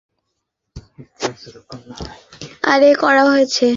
তোমাকে ডেকেছি কারণ তোমাকেও তলব করা হয়েছে।